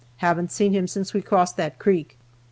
Haven't seen him since we crossed that creek."